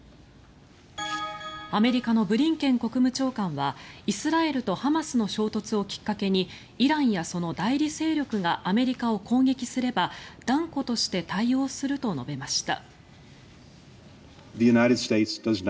アメリカのブリンケン国務長官はイスラエルとハマスの衝突をきっかけにイランやその代理勢力がアメリカを攻撃すれば断固として対応すると述べました。